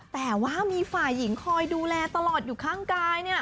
แต่ว่ามีฝ่ายหญิงคอยดูแลตลอดอยู่ข้างกาย